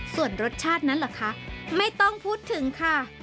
ส่วนรสชาตินั้นเหรอคะไม่ต้องพูดถึงค่ะ